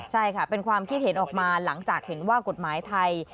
ใช่ค่ะเป็นความคิดเห็นออกมาหลังจากเห็นว่ากฎหมายไทย